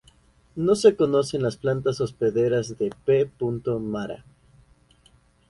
No se conocen las plantas hospederas de "P. mara".